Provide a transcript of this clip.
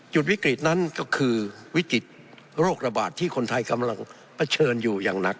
วิกฤตนั้นก็คือวิกฤตโรคระบาดที่คนไทยกำลังเผชิญอยู่อย่างหนัก